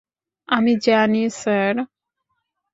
আমি জানি, স্যার।